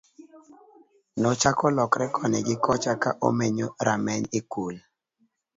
nochako lokre koni gi kocha ka omenyo rameny e kul